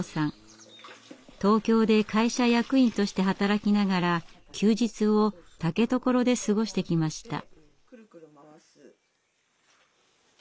東京で会社役員として働きながら休日を竹所で過ごしてきました。